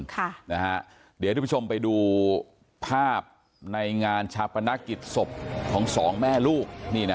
เดี๋ยวทุกผู้ชมไปดูภาพในงานชาปนกิจศพของสองแม่ลูก